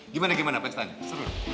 gimana gimana pesta seru